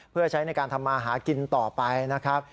เพื่อใช้ในการทำมาหากินต่อไปนะครับ